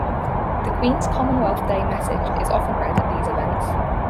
The Queen's Commonwealth Day message is often read at these events.